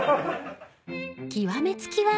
［極め付きは］